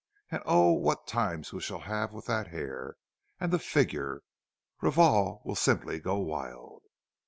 And oh, what times we shall have with that hair! And the figure—Réval will simply go wild!"